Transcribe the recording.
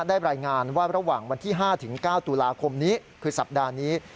รายงานว่าระหว่างวันที่๕๙ตุลาคมนี้คือสัปดาห์นี้